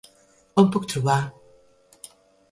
On puc trobar??